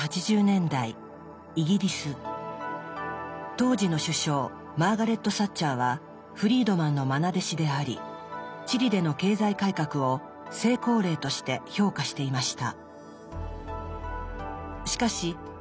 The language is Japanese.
当時の首相マーガレット・サッチャーはフリードマンのまな弟子でありチリでの経済改革を成功例として評価していました。